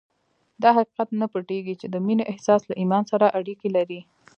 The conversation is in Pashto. دا حقیقت نه پټېږي چې د مینې احساس له ایمان سره اړیکې لري